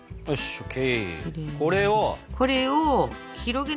ＯＫ！